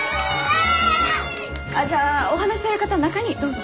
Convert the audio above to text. ああじゃあお話しされる方中にどうぞ。